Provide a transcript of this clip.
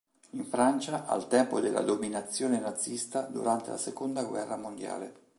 In Francia, al tempo della dominazione nazista, durante la seconda guerra mondiale.